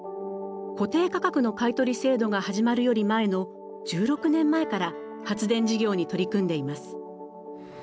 固定価格の買い取り制度が始まるより前の１６年前から発電事業に取り組んでいます。